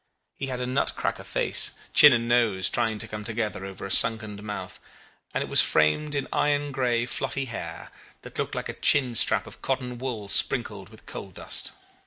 He had a nut cracker face chin and nose trying to come together over a sunken mouth and it was framed in iron grey fluffy hair, that looked like a chin strap of cotton wool sprinkled with coal dust.